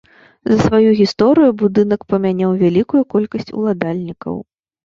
За сваю гісторыю будынак памяняў вялікую колькасць уладальнікаў.